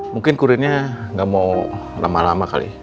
mungkin kurirnya nggak mau lama lama kali